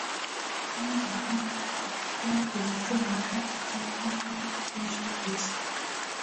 中国大陆版标题由著名书法家关东升先生提写。